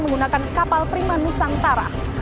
menggunakan kapal prima nusantara